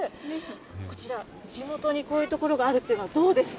こちら、地元にこういう所があるっていうのはどうですか？